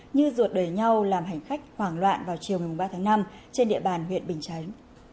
như ruột đẩy nhau làm hành khách hoảng loạn vào chiều ba tháng năm trên địa bàn huyện bình chánh